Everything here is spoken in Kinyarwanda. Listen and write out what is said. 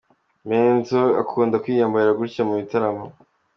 Benzo akunda kwiyambarira gutya mu bitaramo.